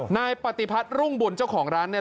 นายปฏิพัฒน์รุ่งบุญเจ้าของร้านเนี่ย